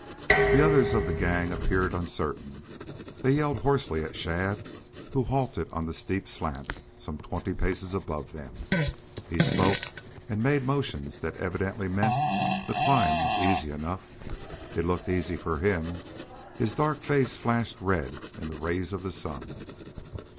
The others of the gang appeared uncertain. They yelled hoarsely at Shadd, who halted on the steep slant some twenty paces above them. He spoke and made motions that evidently meant the climb was easy enough. It looked easy for him. His dark face flashed red in the rays of the sun.